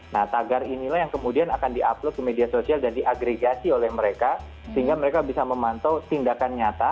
nah tagar inilah yang kemudian akan di upload ke media sosial dan diagregasi oleh mereka sehingga mereka bisa memantau tindakan nyata